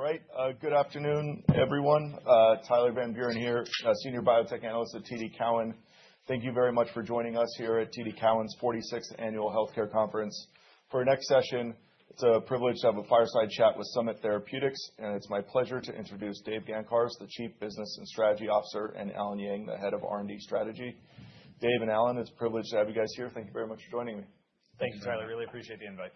All right. good afternoon, everyone. Tyler Van Buren here, Senior Biotech Analyst at TD Cowen. Thank you very much for joining us here at TD Cowen's 46th Annual Healthcare Conference. For our next session, it's a privilege to have a fireside chat with Summit Therapeutics, and it's my pleasure to introduce Dave Gancarz, the Chief Business and Strategy Officer, and Allen Yang, the Head of R&D Strategy. Dave and Allen, it's a privilege to have you guys here. Thank you very much for joining me. Thanks, Tyler. Really appreciate the invite.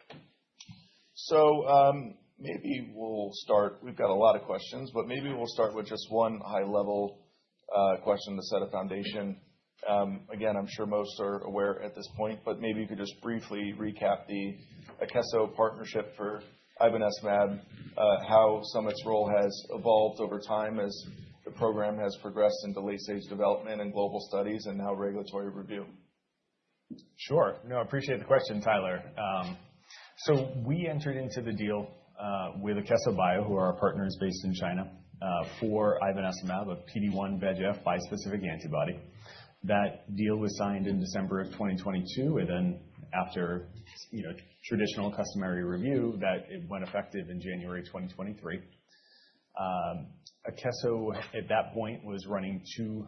Maybe we'll start. We've got a lot of questions, but maybe we'll start with just one high level question to set a foundation. Again, I'm sure most are aware at this point, but maybe you could just briefly recap the Akeso partnership for ivonescimab, how Summit's role has evolved over time as the program has progressed into late-stage development and global studies and now regulatory review. Sure. No, I appreciate the question, Tyler. We entered into the deal with Akeso Bio, who are our partners based in China, for ivonescimab, a PD-1/VEGF bispecific antibody. That deal was signed in December of 2022, after, you know, traditional customary review, that it went effective in January 2023. Akeso at that point was running two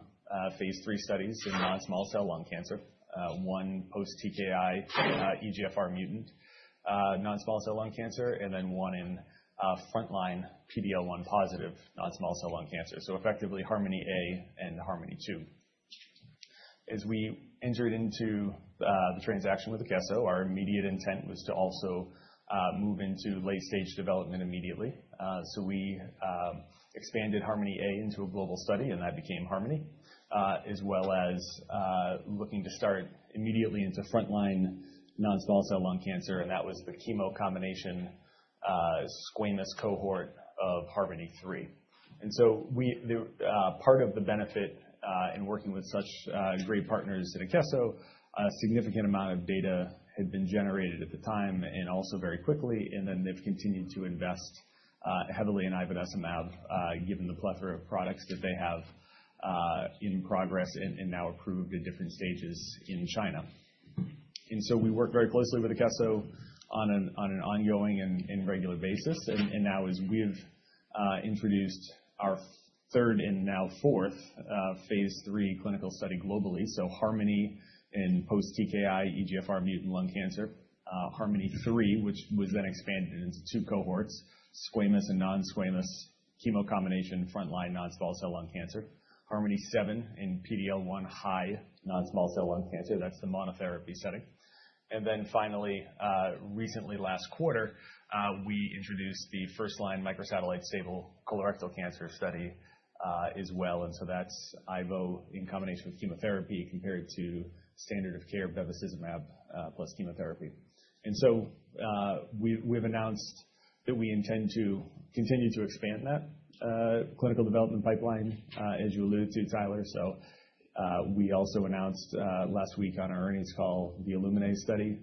phase III studies in non-small cell lung cancer. One post-TKI, EGFR mutant, non-small cell lung cancer, one in frontline PD-L1 positive non-small cell lung cancer, so effectively HARMONi-A and HARMONi-2. As we entered into the transaction with Akeso, our immediate intent was to also move into late-stage development immediately. We expanded HARMONi-A into a global study, that became HARMONi, as well as looking to start immediately into frontline non-small cell lung cancer, and that was the chemo combination, squamous cohort of HARMONi-3. We part of the benefit in working with such great partners at Akeso, a significant amount of data had been generated at the time and also very quickly, and then they've continued to invest heavily in ivonescimab, given the plethora of products that they have in progress and now approved at different stages in China. We work very closely with Akeso on an ongoing and regular basis. Now as we have introduced our third and now fourth phase III clinical study globally, HARMONi in post-TKI EGFR mutant lung cancer, HARMONi-3, which was then expanded into two cohorts, squamous and non-squamous chemo combination frontline non-small cell lung cancer, HARMONi-7 in PD-L1 high non-small cell lung cancer, that's the monotherapy setting. Finally, recently last quarter, we introduced the first-line microsatellite stable colorectal cancer study as well. That's Ivo in combination with chemotherapy compared to standard of care bevacizumab plus chemotherapy. We've announced that we intend to continue to expand that clinical development pipeline as you alluded to, Tyler. We also announced last week on our earnings call the ILLUMINE study,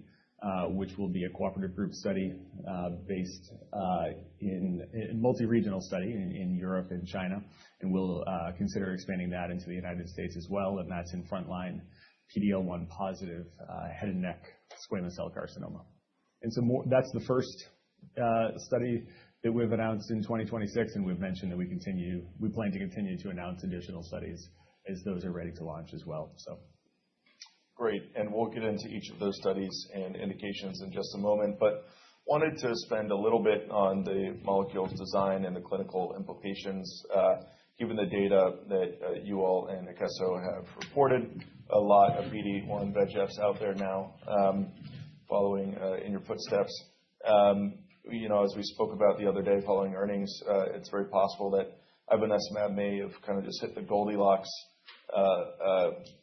which will be a cooperative group study based in...in multi-regional study in Europe and China. We'll consider expanding that into the United States as well, and that's in frontline PD-L1 positive head and neck squamous cell carcinoma. That's the first study that we've announced in 2026, and we've mentioned that we plan to continue to announce additional studies as those are ready to launch as well, so. Great. We'll get into each of those studies and indications in just a moment, but wanted to spend a little bit on the molecule's design and the clinical implications, given the data that you all and Akeso have reported. A lot of PD-1/VEGFs out there now, following in your footsteps. You know, as we spoke about the other day following earnings, it's very possible that ivonescimab may have kind of just hit the Goldilocks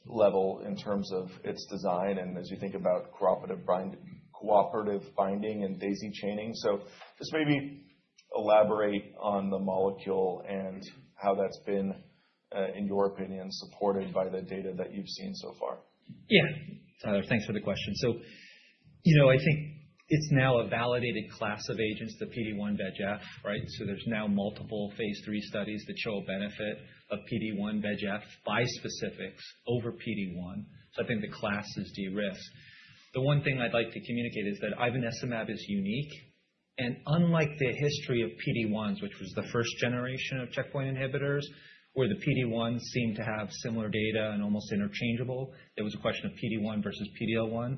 level in terms of its design and as you think about cooperative binding and daisy chaining. Just maybe elaborate on the molecule and how that's been, in your opinion, supported by the data that you've seen so far. Yeah. Tyler, thanks for the question. You know, I think it's now a validated class of agents to PD-1/VEGF, right? There's now multiple phase III studies that show a benefit of PD-1/VEGF bispecifics over PD-1. I think the class is de-risked. The one thing I'd like to communicate is that ivonescimab is unique, and unlike the history of PD-1s, which was the first generation of checkpoint inhibitors, where the PD-1s seem to have similar data and almost interchangeable, it was a question of PD-1 versus PD-L1.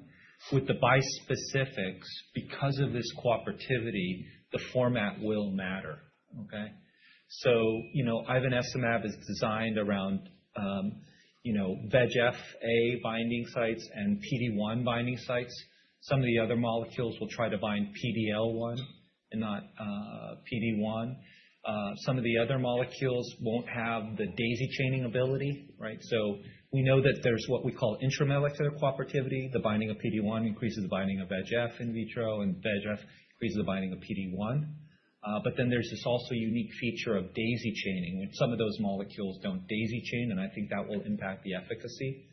With the bispecifics, because of this cooperativity, the format will matter. Okay? You know, ivonescimab is designed around, you know, VEGF-A binding sites and PD-1 binding sites. Some of the other molecules will try to bind PD-L1 and not PD-1. Some of the other molecules won't have the daisy chaining ability, right? We know that there's what we call intramolecular cooperativity. The binding of PD-1 increases the binding of VEGF in vitro, and VEGF increases the binding of PD-1. There's this also unique feature of daisy chaining, and some of those molecules don't daisy chain, and I think that will impact the efficacy.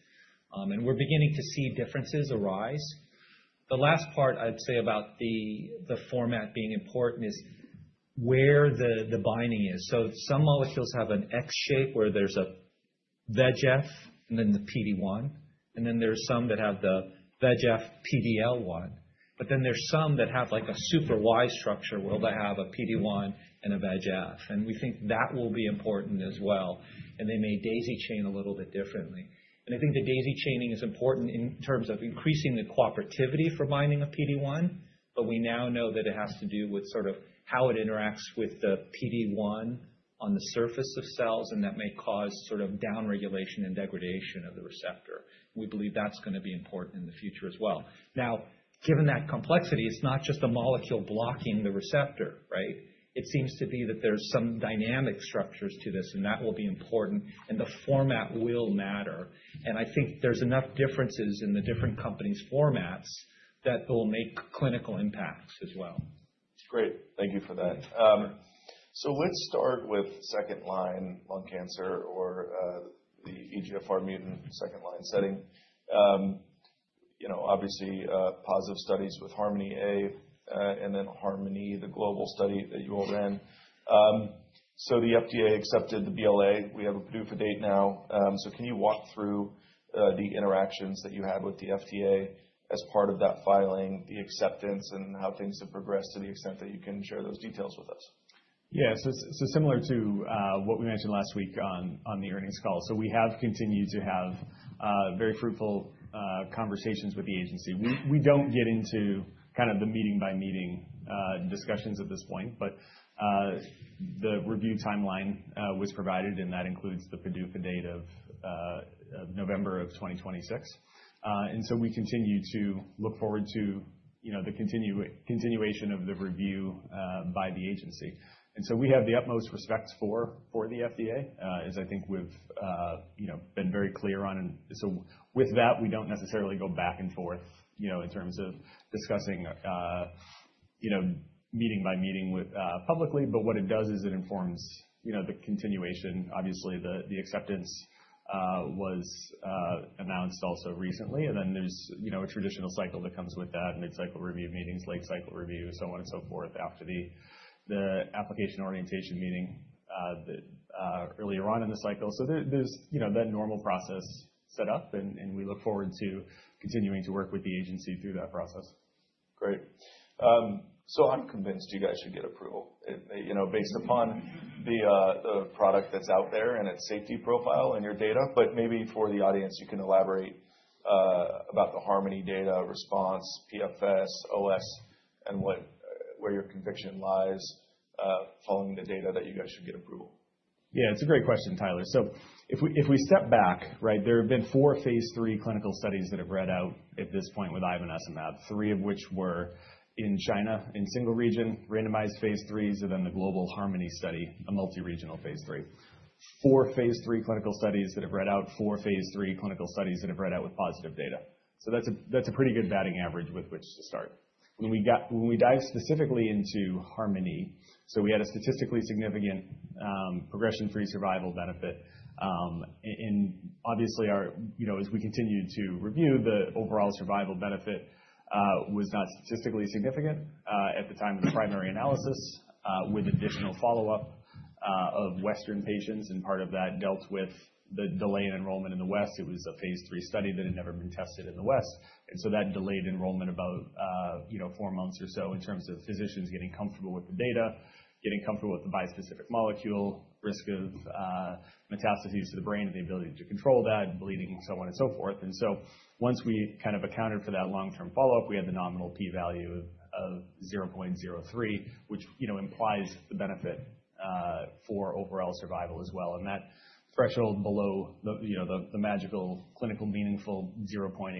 We're beginning to see differences arise. The last part I'd say about the format being important is where the binding is. Some molecules have an X shape where there's a VEGF and then the PD-1, and then there's some that have the VEGF PD-L1. There's some that have like a super Y structure where they have a PD-1 and a VEGF, and we think that will be important as well, and they may daisy chain a little bit differently. I think the daisy chaining is important in terms of increasing the cooperativity for binding of PD-1, but we now know that it has to do with sort of how it interacts with the PD-1 on the surface of cells, and that may cause sort of downregulation and degradation of the receptor. We believe that's gonna be important in the future as well. Given that complexity, it's not just a molecule blocking the receptor, right? It seems to be that there's some dynamic structures to this, and that will be important and the format will matter. I think there's enough differences in the different companies' formats that will make clinical impacts as well. Great. Thank you for that. Let's start with second-line lung cancer or the EGFR mutant second line setting. You know, obviously, positive studies with HARMONi-A, and then HARMONi, the global study that you all ran. The FDA accepted the BLA. We have a PDUFA date now. Can you walk through the interactions that you had with the FDA as part of that filing, the acceptance and how things have progressed to the extent that you can share those details with us? Yeah. Similar to what we mentioned last week on the earnings call. We have continued to have very fruitful conversations with the agency. We don't get into kind of the meeting by meeting discussions at this point, but the review timeline was provided, and that includes the PDUFA date of November of 2026. We continue to look forward to, you know, the continuation of the review by the agency. We have the utmost respect for the FDA, as I think we've, you know, been very clear on. With that, we don't necessarily go back and forth, you know, in terms of discussing, you know, meeting by meeting with publicly. What it does is it informs, you know, the continuation. Obviously, the acceptance, was, announced also recently, and then there's, you know, a traditional cycle that comes with that, mid-cycle review meetings, late cycle review, so on and so forth, after the Application Orientation Meeting, the, earlier on in the cycle. There, there's, you know, that normal process set up and we look forward to continuing to work with the agency through that process. Great. I'm convinced you guys should get approval, you know, based upon the product that's out there and its safety profile and your data. Maybe for the audience you can elaborate about the HARMONi data response, PFS, OS, and what, where your conviction lies following the data that you guys should get approval? Yeah, it's a great question, Tyler. If we step back, right, there have been four phase III clinical studies that have read out at this point with ivonescimab, three of which were in China in single region, randomized phase IIIs, and then the global HARMONi study, a multi-regional phase III. Four phase III clinical studies that have read out. Four phase III clinical studies that have read out with positive data. That's a pretty good batting average with which to start. When we dive specifically into HARMONi, we had a statistically significant progression-free survival benefit. Obviously our, you know, as we continued to review, the overall survival benefit was not statistically significant at the time of the primary analysis, with additional follow-up of Western patients. Part of that dealt with the delay in enrollment in the West. It was a phase III study that had never been tested in the West. That delayed enrollment about, you know, four months or so in terms of physicians getting comfortable with the data, getting comfortable with the bispecific molecule, risk of metastases to the brain and the ability to control that, bleeding, so on and so forth. Once we kind of accounted for that long-term follow-up, we had the nominal p-value of 0.03, which, you know, implies the benefit for overall survival as well. That threshold below the, you know, the magical clinical meaningful 0.80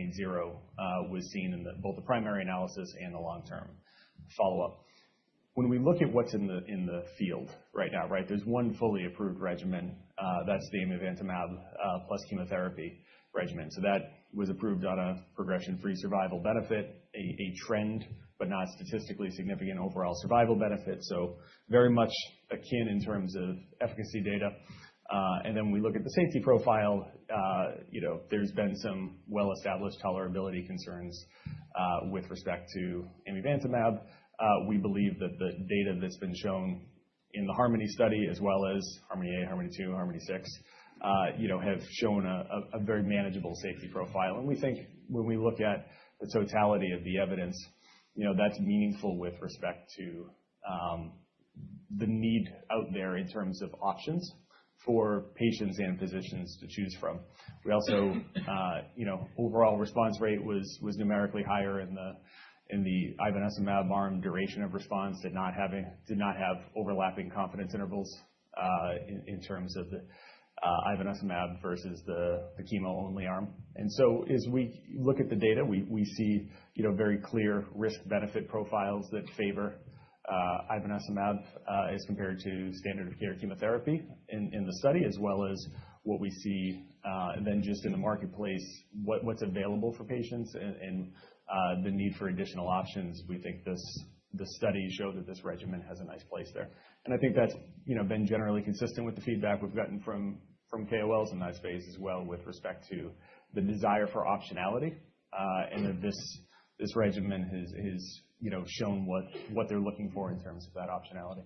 was seen in both the primary analysis and the long-term follow-up. When we look at what's in the, in the field right now, right? There's one fully approved regimen, that's the amivantamab plus chemotherapy regimen. That was approved on a progression-free survival benefit, a trend, but not statistically significant overall survival benefit. Very much akin in terms of efficacy data. We look at the safety profile. You know, there's been some well-established tolerability concerns with respect to amivantamab. We believe that the data that's been shown in the HARMONi study as well as HARMONi-A, HARMONi-2, HARMONi-6, you know, have shown a very manageable safety profile. We think when we look at the totality of the evidence, you know, that's meaningful with respect to the need out there in terms of options for patients and physicians to choose from. We also, you know, overall response rate was numerically higher in the ivonescimab arm. Duration of response did not have overlapping confidence intervals in terms of the ivonescimab versus the chemo only arm. As we look at the data, we see, you know, very clear risk benefit profiles that favor ivonescimab as compared to standard of care chemotherapy in the study, as well as what we see and then just in the marketplace, what's available for patients and the need for additional options. We think this, the study show that this regimen has a nice place there. I think that's, you know, been generally consistent with the feedback we've gotten from KOLs in that space as well with respect to the desire for optionality, and that this regimen has, you know, shown what they're looking for in terms of that optionality.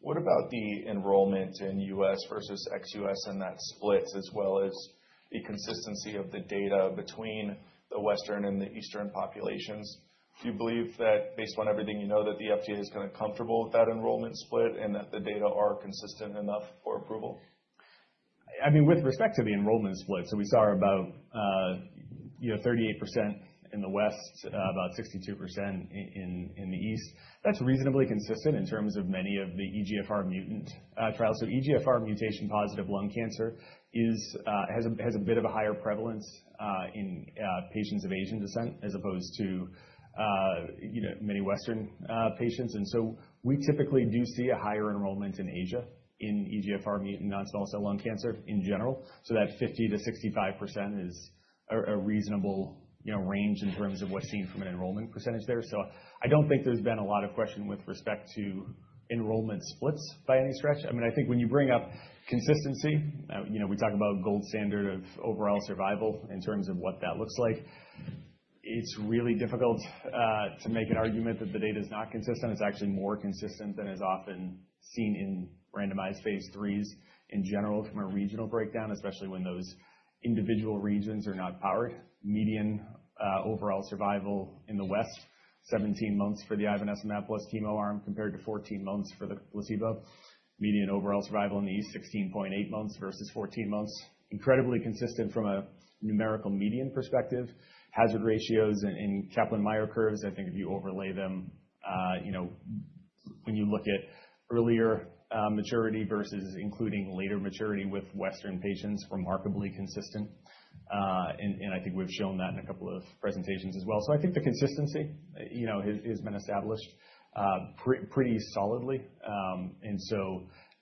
What about the enrollment in U.S. versus ex-U.S. in that splits as well as the consistency of the data between the Western and the Eastern populations? Do you believe that based on everything you know that the FDA is kind of comfortable with that enrollment split and that the data are consistent enough for approval? I mean, with respect to the enrollment split, we saw about, you know, 38% in the West, about 62% in the East. That's reasonably consistent in terms of many of the EGFR mutant trials. EGFR mutation-positive lung cancer is, has a bit of a higher prevalence in patients of Asian descent as opposed to, you know, many Western patients. We typically do see a higher enrollment in Asia in non-small cell lung cancer in general. That 50%-65% is a reasonable, you know, range in terms of what's seen from an enrollment percentage there. I don't think there's been a lot of question with respect to enrollment splits by any stretch. I mean, I think when you bring up consistency, you know, we talk about gold standard of overall survival in terms of what that looks like. It's really difficult to make an argument that the data is not consistent. It's actually more consistent than is often seen in randomized phase III in general from a regional breakdown, especially when those individual regions are not powered. Median overall survival in the West, 17 months for the ivonescimab plus chemo arm compared to 14 months for the placebo. Median overall survival in the East, 16.8 months versus 14 months. Incredibly consistent from a numerical median perspective. Hazard ratios in Kaplan-Meier curves, I think if you overlay them, you know, when you look at earlier maturity versus including later maturity with Western patients, remarkably consistent. I think we've shown that in a couple of presentations as well. I think the consistency, you know, has been established, pretty solidly.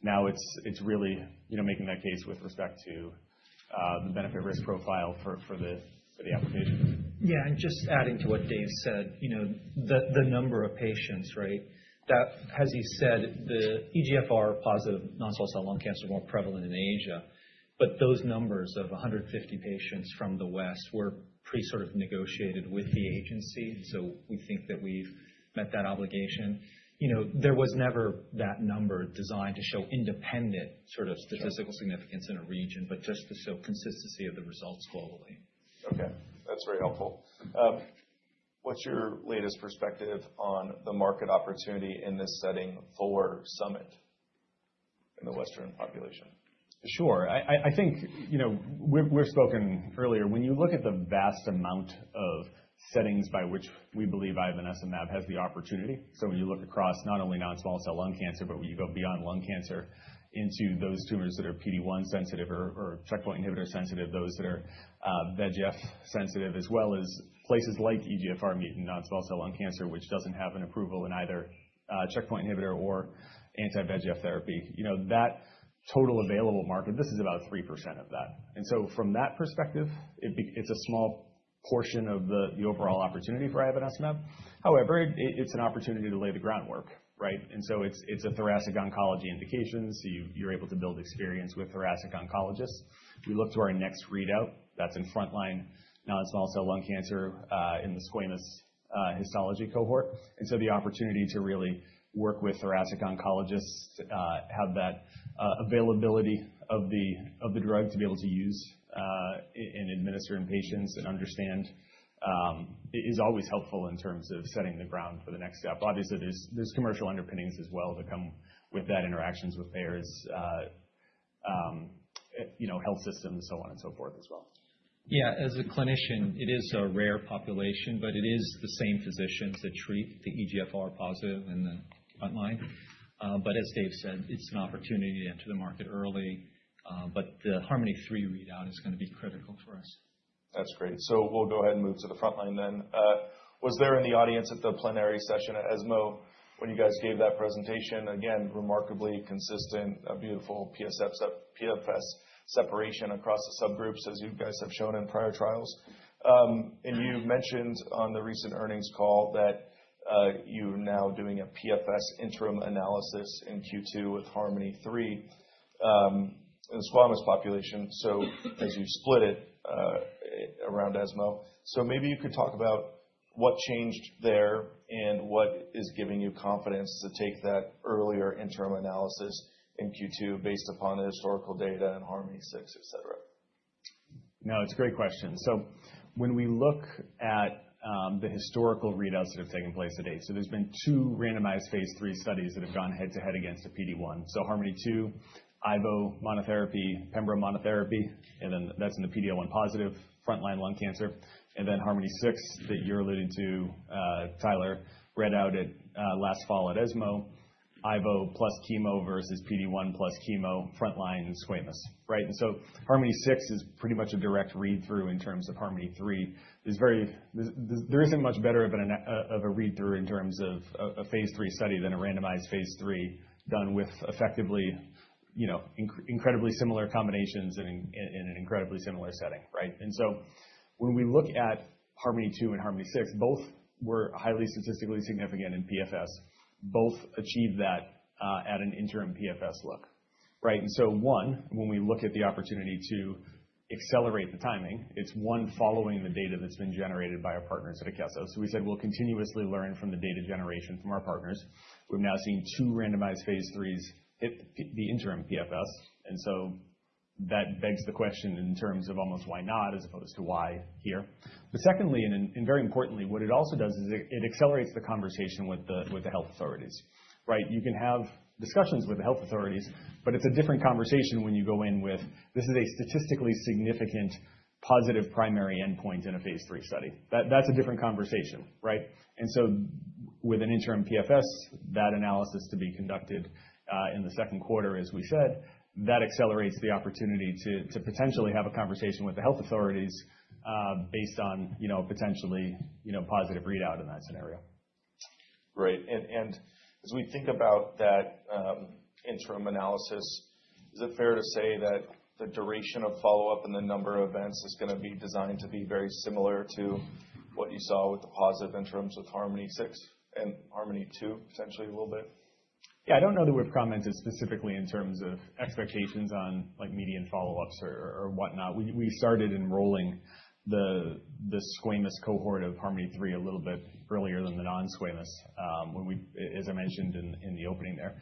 Now it's really, you know, making that case with respect to the benefit risk profile for the application. Yeah. Just adding to what Dave said, you know, the number of patients, right? That as he said, the EGFR-positive non-small cell lung cancer is more prevalent in Asia, but those numbers of 150 patients from the West were pre sort of negotiated with the agency. We think that we've met that obligation. You know, there was never that number designed to show independent sort of statistical significance in a region, but just to show consistency of the results globally. Okay. That's very helpful. What's your latest perspective on the market opportunity in this setting for Summit in the Western population? Sure. I think, you know, we've spoken earlier. When you look at the vast amount of settings by which we believe ivonescimab has the opportunity, so when you look across not only non-small cell lung cancer, but when you go beyond lung cancer into those tumors that are PD-1 sensitive or checkpoint inhibitor sensitive, those that are VEGF sensitive, as well as places like EGFR mutant non-small cell lung cancer, which doesn't have an approval in either checkpoint inhibitor or anti-VEGF therapy, you know, that total available market, this is about 3% of that. From that perspective, it's a small portion of the overall opportunity for ivonescimab. However, it's an opportunity to lay the groundwork, right? It's a thoracic oncology indication, so you're able to build experience with thoracic oncologists. We look to our next readout that's in frontline non-small cell lung cancer, in the squamous histology cohort. The opportunity to really work with thoracic oncologists, have that availability of the drug to be able to use and administer in patients and understand, is always helpful in terms of setting the ground for the next step. Obviously, there's commercial underpinnings as well that come with that interactions with payers, you know, health systems, so on and so forth as well. Yeah, as a clinician, it is a rare population, but it is the same physicians that treat the EGFR positive in the frontline. As Dave said, it's an opportunity to enter the market early. The HARMONi-3 readout is gonna be critical for us. That's great. We'll go ahead and move to the frontline then. Was there in the audience at the plenary session at ESMO when you guys gave that presentation, again, remarkably consistent, a beautiful PFS separation across the subgroups as you guys have shown in prior trials. You mentioned on the recent earnings call that you are now doing a PFS interim analysis in Q2 with HARMONi-3 in squamous population, so as you split it around ESMO. Maybe you could talk about what changed there and what is giving you confidence to take that earlier interim analysis in Q2 based upon the historical data in HARMONi-6, et cetera. No, it's a great question. When we look at the historical readouts that have taken place to date, there's been two randomized phase III studies that have gone head-to-head against a PD-1. HARMONi-2, ivo monotherapy, pembro monotherapy. That's in the PD-L1 positive frontline lung cancer. HARMONi-6 that you're alluding to, Tyler, read out at last fall at ESMO, ivo plus chemo versus PD-1 plus chemo frontline in squamous, right? HARMONi-6 is pretty much a direct read-through in terms of HARMONi-3. It's very. There isn't much better of a read-through in terms of a phase III study than a randomized phase III done with effectively, you know, incredibly similar combinations in an incredibly similar setting, right? When we look at HARMONi-2 and HARMONi-6, both were highly statistically significant in PFS. Both achieved that at an interim PFS look. Right. One, when we look at the opportunity to accelerate the timing, it's one following the data that's been generated by our partners at Akeso. We said we'll continuously learn from the data generation from our partners. We've now seen two randomized phase IIIs at the interim PFS, that begs the question in terms of almost why not, as opposed to why here. Secondly, and very importantly, what it also does is it accelerates the conversation with the health authorities, right? You can have discussions with the health authorities, but it's a different conversation when you go in with, "This is a statistically significant positive primary endpoint in a phase III study." That's a different conversation, right? With an interim PFS, that analysis to be conducted, in the second quarter as we said, that accelerates the opportunity to potentially have a conversation with the health authorities, based on, you know, potentially, you know, positive readout in that scenario. Great. As we think about that interim analysis, is it fair to say that the duration of follow-up and the number of events is gonna be designed to be very similar to what you saw with the positive interims with HARMONi-6 and HARMONi-2, essentially a little bit? Yeah, I don't know that we've commented specifically in terms of expectations on, like, median follow-ups or whatnot. We started enrolling the squamous cohort of HARMONi-3 a little bit earlier than the non-squamous, as I mentioned in the opening there.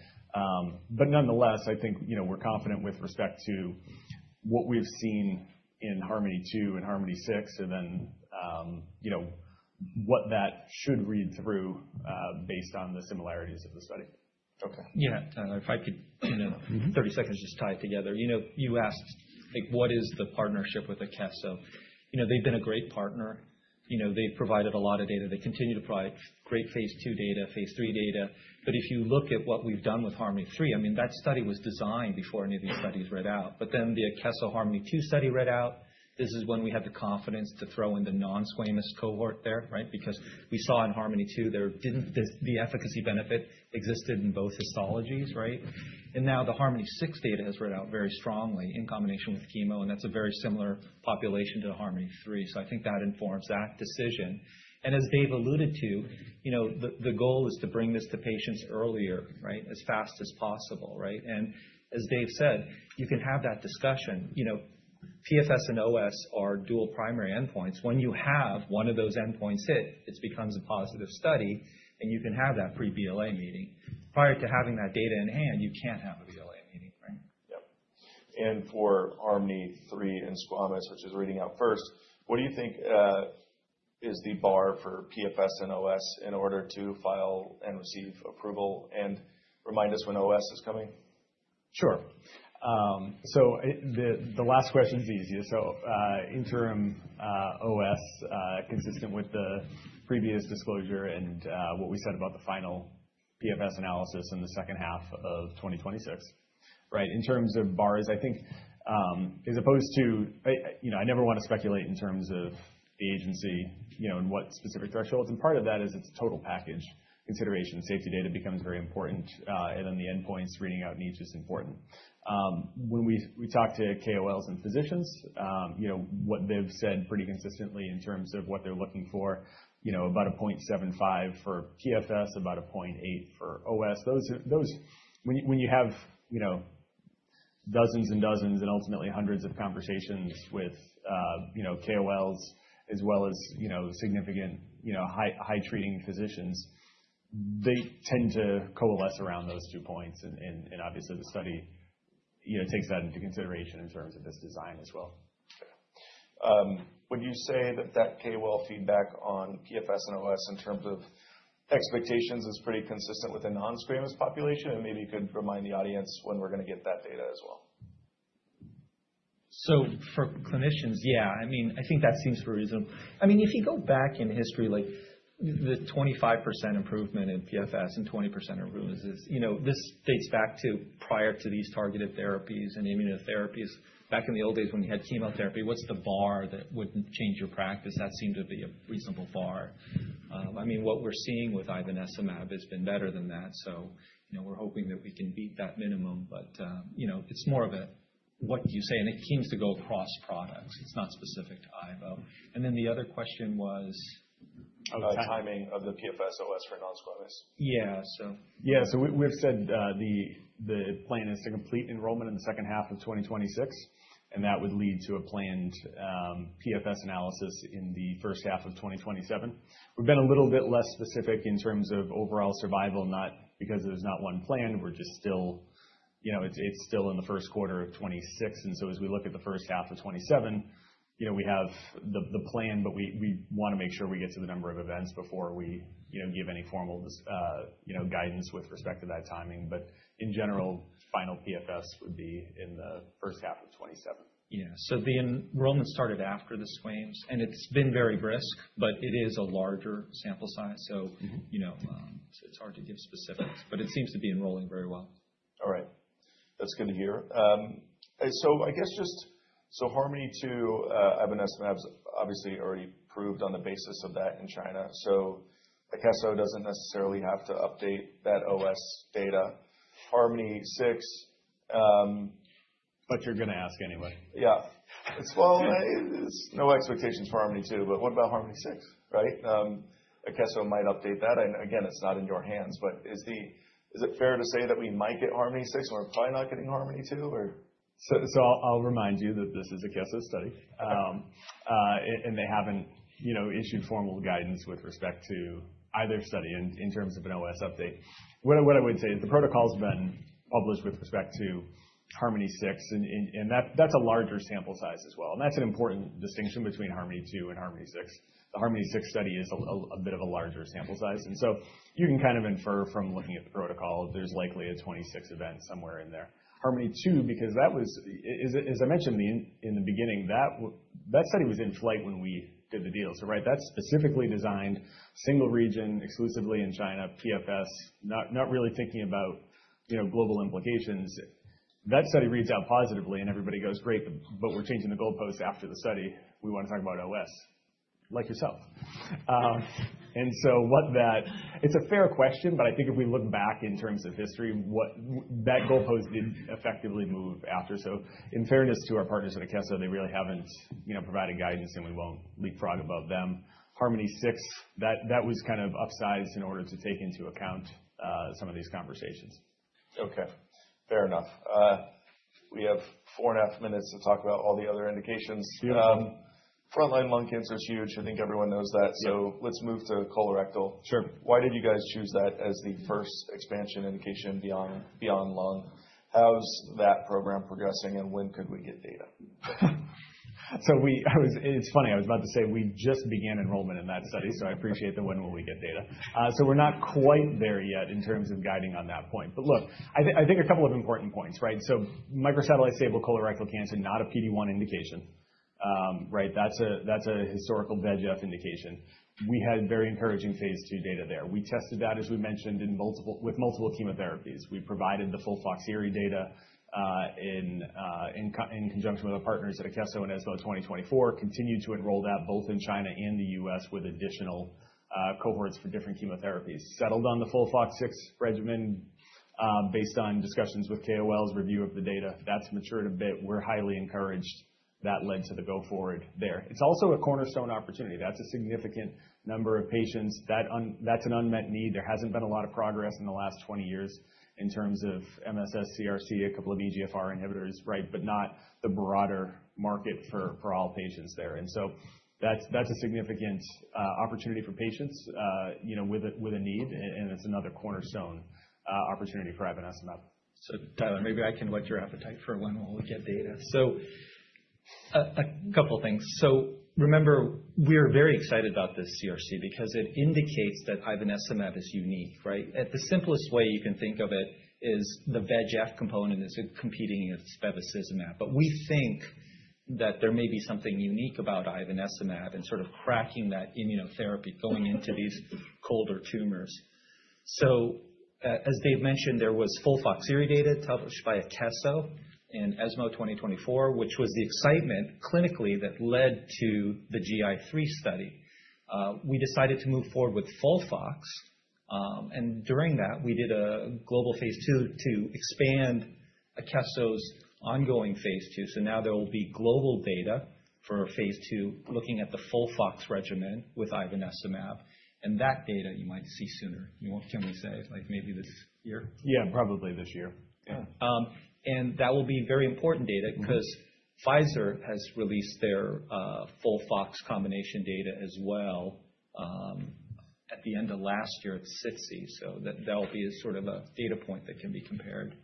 Nonetheless, I think, you know, we're confident with respect to what we've seen in HARMONi-2 and HARMONi-6 and then, you know, what that should read through, based on the similarities of the study. Okay. Yeah. if I could Mm-hmm. 30 seconds just tie it together. You know, you asked, like, what is the partnership with Akeso? You know, they've been a great partner. You know, they've provided a lot of data. They continue to provide great phase II data, phase III data. If you look at what we've done with HARMONi-3, I mean, that study was designed before any of these studies read out. The Akeso HARMONi-2 study read out. This is when we had the confidence to throw in the non-squamous cohort there, right? Because we saw in HARMONi-2 the efficacy benefit existed in both histologies, right? Now the HARMONi-6 data has read out very strongly in combination with chemo, and that's a very similar population to HARMONi-3. I think that informs that decision. As Dave alluded to, you know, the goal is to bring this to patients earlier, right? As fast as possible, right? As Dave said, you can have that discussion. You know, PFS and OS are dual primary endpoints. When you have one of those endpoints hit, this becomes a positive study, and you can have that Pre-BLA meeting. Prior to having that data in hand, you can't have a BLA meeting, right? Yep. For HARMONi-3 in squamous, which is reading out first, what do you think is the bar for PFS and OS in order to file and receive approval? Remind us when OS is coming? Sure. The last question is easiest. Interim OS consistent with the previous disclosure and what we said about the final PFS analysis in the second half of 2026, right? In terms of bars, I think, as opposed to, you know, I never wanna speculate in terms of the agency, you know, and what specific thresholds, and part of that is it's a total package consideration. Safety data becomes very important, and then the endpoints reading out niche is important. When we talk to KOLs and physicians, you know, what they've said pretty consistently in terms of what they're looking for, you know, about a 0.75 for PFS, about a 0.8 for OS. Those are When you have, you know, dozens and dozens and ultimately hundreds of conversations with, you know, KOLs as well as, you know, significant, you know, high treating physicians, they tend to coalesce around those two points and obviously the study, you know, takes that into consideration in terms of this design as well. Okay. Would you say that that KOL feedback on PFS and OS in terms of expectations is pretty consistent with the non-squamous population? Maybe you could remind the audience when we're gonna get that data as well. For clinicians, yeah. I mean, I think that seems reasonable. I mean, if you go back in history, like the 25% improvement in PFS and 20% in ruins, you know, this dates back to prior to these targeted therapies and immunotherapies. Back in the old days when you had chemotherapy, what's the bar that would change your practice? That seemed to be a reasonable bar. I mean, what we're seeing with ivonescimab has been better than that, you know, we're hoping that we can beat that minimum. You know, it's more of a what you say, and it seems to go across products. It's not specific to ivonescimab. The other question was- Timing of the PFS OS for non-squamous. Yeah. Yeah. We've said the plan is to complete enrollment in the second half of 2026, and that would lead to a planned PFS analysis in the first half of 2027. We've been a little bit less specific in terms of overall survival, not because there's not one plan. You know, it's still in the first quarter of 2026, as we look at the first half of 2027, you know, we have the plan, but we wanna make sure we get to the number of events before we, you know, give any formal guidance with respect to that timing. In general, final PFS would be in the first half of 2027. Yeah. The enrollment started after the squamous, and it's been very brisk, but it is a larger sample size, so... Mm-hmm. You know, it's hard to give specifics, but it seems to be enrolling very well. All right. That's good to hear. HARMONi-2, ivonescimab's obviously already approved on the basis of that in China, Akeso doesn't necessarily have to update that OS data. HARMONi-6, You're gonna ask anyway. Yeah. Well, there's no expectations for HARMONi-2, but what about HARMONi-6, right? Akeso might update that, and again, it's not in your hands, but is it fair to say that we might get HARMONi-6 or we're probably not getting HARMONi-2 or? I'll remind you that this is Akeso's study. They haven't, you know, issued formal guidance with respect to either study in terms of an OS update. What I would say is the protocol's been published with respect to HARMONi-6 and that's a larger sample size as well, and that's an important distinction between HARMONi-2 and HARMONi-6. The HARMONi-6 study is a bit of a larger sample size, you can kind of infer from looking at the protocol there's likely a 26 event somewhere in there. HARMONi-2, because that was, as I mentioned in the beginning, that study was in flight when we did the deal, right? That's specifically designed single region exclusively in China, PFS, not really thinking about, you know, global implications. If that study reads out positively and everybody goes, "Great, but we're changing the goalpost after the study. We wanna talk about OS." Like yourself. It's a fair question, but I think if we look back in terms of history, what that goalpost did effectively move after. In fairness to our partners at Akeso, they really haven't, you know, provided guidance, and we won't leapfrog above them. HARMONi-6, that was kind of upsized in order to take into account some of these conversations. Okay, fair enough. We have four and a half minutes to talk about all the other indications. Yeah. Frontline lung cancer is huge. I think everyone knows that. Yeah. Let's move to colorectal. Sure. Why did you guys choose that as the first expansion indication beyond lung? How's that program progressing, and when could we get data? I was about to say we just began enrollment in that study, so I appreciate the when will we get data? We're not quite there yet in terms of guiding on that point. Look, I think a couple of important points, right? Microsatellite stable colorectal cancer, not a PD-1 indication, right? That's a historical VEGF indication. We had very encouraging phase II data there. We tested that, as we mentioned, with multiple chemotherapies. We provided the FOLFOXIRI data in conjunction with our partners at Akeso and ESMO 2024, continued to enroll that both in China and the U.S. with additional cohorts for different chemotherapies. Settled on the FOLFOX6 regimen based on discussions with KOLs review of the data. That's matured a bit. We're highly encouraged that led to the go forward there. It's also a cornerstone opportunity. That's a significant number of patients. That's an unmet need. There hasn't been a lot of progress in the last 20 years in terms of MSS CRC, a couple of EGFR inhibitors, right? But not the broader market for all patients there. That's a significant opportunity for patients, you know, with a, with a need, and it's another cornerstone opportunity for ivonescimab. Tyler, maybe I can whet your appetite for when we'll look at data. A couple things. Remember, we're very excited about this CRC because it indicates that ivonescimab is unique, right? At the simplest way you can think of it is the VEGF component is competing with bevacizumab. We think that there may be something unique about ivonescimab and sort of cracking that immunotherapy going into these colder tumors. As Dave mentioned, there was FOLFOXIRI data published by Akeso in ESMO 2024, which was the excitement clinically that led to the HARMONi-GI3 study. We decided to move forward with FOLFOX, and during that, we did a global phase II to expand Akeso's ongoing phase II. Now there will be global data for phase II looking at the FOLFOX regimen with ivonescimab, and that data you might see sooner. Can we say it's like maybe this year? Yeah, probably this year. Yeah. That will be very important data because Pfizer has released their FOLFOX combination data as well, at the end of last year at SITC. That'll be a sort of a data point that can be compared.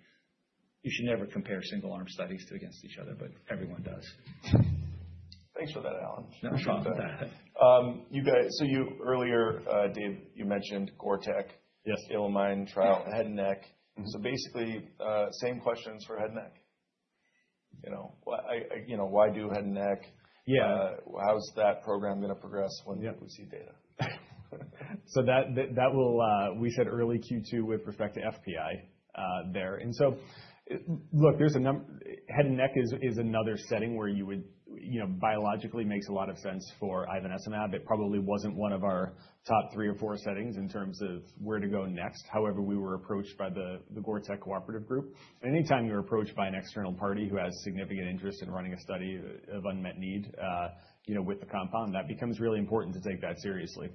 You should never compare single arm studies against each other, but everyone does. Thanks for that, Allen. No problem. You guys, you earlier, Dave, you mentioned GORTEC. Yes. ILLUMINE trial, head, neck. Mm-hmm. Basically, same questions for head, neck. You know, why do head and neck? Yeah. How is that program gonna progress? When can we see data? That, that will, we said early Q2 with respect to FPI there. Look, there's a head and neck is another setting where you would, you know, biologically makes a lot of sense for ivonescimab. It probably wasn't one of our top three or four settings in terms of where to go next. However, we were approached by the GORTEC cooperative group. Anytime you're approached by an external party who has significant interest in running a study of unmet need, you know, with the compound, that becomes really important to take that seriously.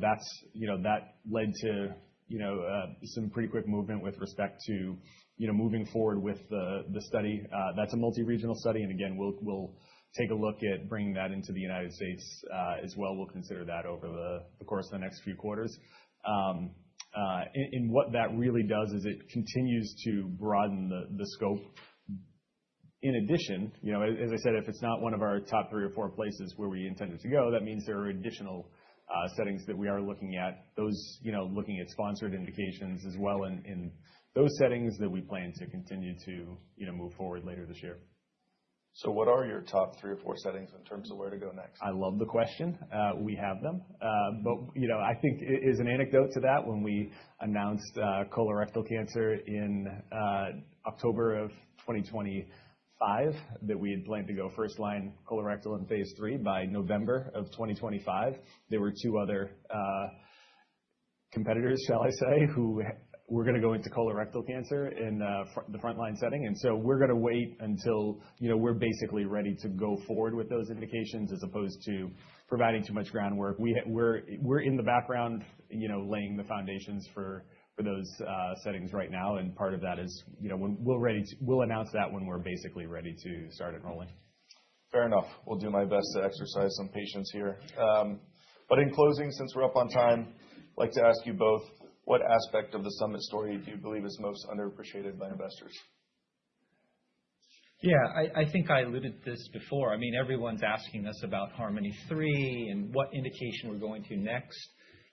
That's, you know, that led to, you know, some pretty quick movement with respect to, you know, moving forward with the study. That's a multi-regional study. Again, we'll take a look at bringing that into the United States, as well. We'll consider that over the course of the next few quarters. What that really does is it continues to broaden the scope. In addition, you know, as I said, if it's not one of our top three or four places where we intended to go, that means there are additional settings that we are looking at. Those. You know, looking at sponsored indications as well in those settings that we plan to continue to, you know, move forward later this year. What are your top three or four settings in terms of where to go next? I love the question. We have them. You know, I think as an anecdote to that, when we announced colorectal cancer in October of 2025, that we had planned to go first line colorectal in phase III by November of 2025, there were two other competitors, shall I say, were gonna go into colorectal cancer in the frontline setting. We're gonna wait until, you know, we're basically ready to go forward with those indications as opposed to providing too much groundwork. We're, we're in the background, you know, laying the foundations for those settings right now, and part of that is, you know, We'll announce that when we're basically ready to start enrolling. Fair enough. Will do my best to exercise some patience here. In closing, since we're up on time, I'd like to ask you both what aspect of the Summit story do you believe is most underappreciated by investors? I think I alluded this before. I mean, everyone's asking us about HARMONi-3 and what indication we're going to next.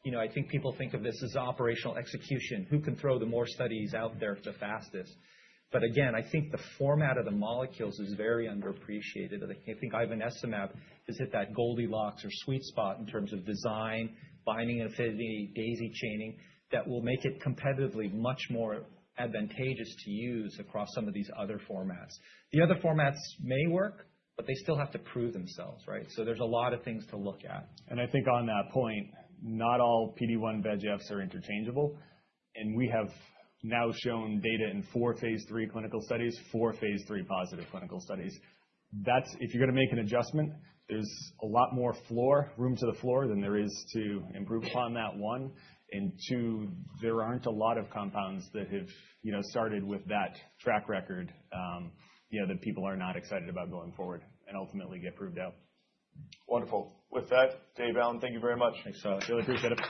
You know, I think people think of this as operational execution. Who can throw the more studies out there the fastest? Again, I think the format of the molecules is very underappreciated. I think ivonescimab is at that Goldilocks or sweet spot in terms of design, binding affinity, daisy chaining, that will make it competitively much more advantageous to use across some of these other formats. The other formats may work, but they still have to prove themselves, right? There's a lot of things to look at. I think on that point, not all PD-1/VEGFs are interchangeable, and we have now shown data in four phase III positive clinical studies. That's... If you're gonna make an adjustment, there's a lot more floor, room to the floor than there is to improve upon that, one, and two, there aren't a lot of compounds that have, you know, started with that track record, you know, that people are not excited about going forward and ultimately get proved out. Wonderful. With that, Dave, Allen, thank you very much. Thanks. Really appreciate it.